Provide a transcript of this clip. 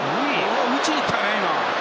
打ちにいったね、今のは。